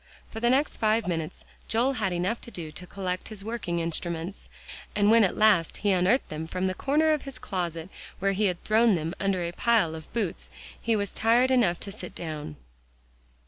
For the next five minutes Joel had enough to do to collect his working instruments, and when at last he unearthed them from the corner of his closet where he had thrown them under a pile of boots, he was tired enough to sit down.